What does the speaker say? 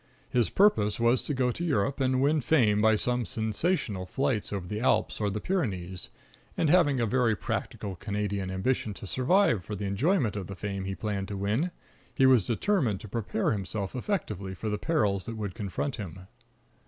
His purpose was to go to Europe and win fame by some sensational flights over the Alps or the Pyrenees; and having a very practical Canadian ambition to survive for the enjoyment of the fame he planned to win, he was determined to prepare himself effectively for the perils that would confront him.